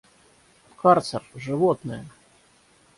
В карцер! Животное!